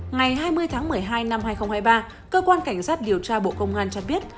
ngày hai mươi tháng một mươi hai năm hai nghìn hai mươi ba cơ quan cảnh sát điều tra bộ công an cho biết